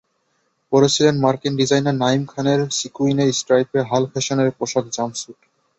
পরেছিলেন মার্কিন ডিজাইনার নায়ীম খানের সিক্যুইনের স্ট্রাইপে হাল ফ্যাশনের পোশাক জাম্পস্যুট।